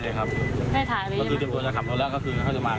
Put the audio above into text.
ไม่เลยครับไม่ถ่ายเลยใช่ไหมตัวจะขับตัวแล้วก็คือเขาจะมา